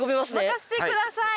任せてください。